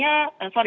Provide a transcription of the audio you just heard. jadi itu sudah turun